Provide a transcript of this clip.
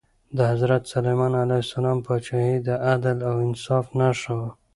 د حضرت سلیمان علیه السلام پاچاهي د عدل او انصاف نښه وه.